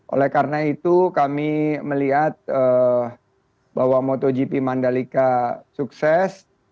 oleh karena itu kami melihat bahwa motogp mandalika sukses